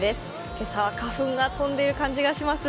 今朝は花粉が飛んでいる感じがします。